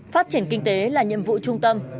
phát triển kinh tế là nhiệm vụ trung tâm